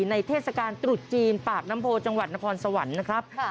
เทศกาลตรุษจีนปากน้ำโพจังหวัดนครสวรรค์นะครับ